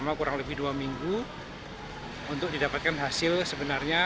selama kurang lebih dua minggu untuk didapatkan hasil sebenarnya